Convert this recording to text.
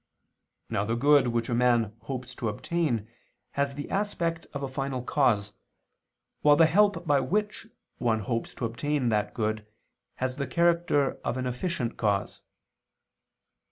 Now the good which a man hopes to obtain, has the aspect of a final cause, while the help by which one hopes to obtain that good, has the character of an efficient cause.